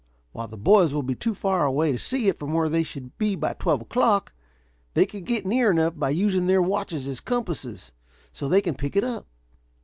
While the boys will be too far away to see it from where they should be by twelve o'clock, they can get near enough, by using their watches as compasses, so they can pick it up.